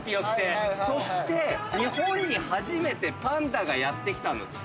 そして日本に初めてパンダがやって来たの。